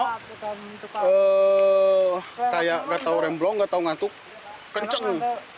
kino kayak gak tau remblong gak tau ngantuk kencang